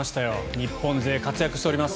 日本勢、活躍しております。